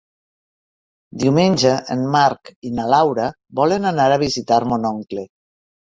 Diumenge en Marc i na Laura volen anar a visitar mon oncle.